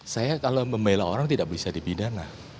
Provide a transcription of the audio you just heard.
saya kalau membela orang tidak bisa dipidana